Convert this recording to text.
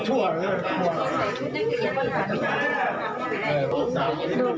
ใจเย็นนะครับ